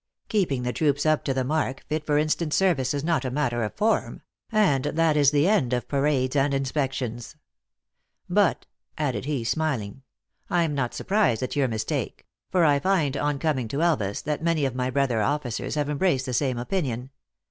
" Keeping the troops up to the mark, fit for instant service, is not a matter of form ; and that is the end of parades and inspections. But," added he, smiling, 48 THE ACTRESS IN HIGH LIFE. "I am not surprised at your mistake; for I find, on coming to Elvas, that many of my brother officers have embraced the same opinion.